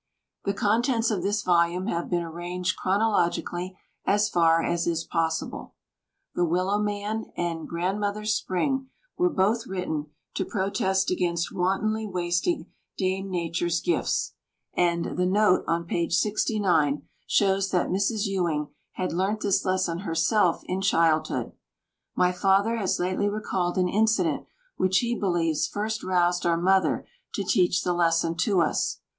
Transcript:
The contents of this volume have been arranged chronologically as far as is possible. "The Willow Man" and "Grandmother's Spring" were both written to protest against wantonly wasting Dame Nature's gifts, and the Note on page 69 shows that Mrs. Ewing had learnt this lesson herself in childhood. My Father has lately recalled an incident which he believes first roused our Mother to teach the lesson to us.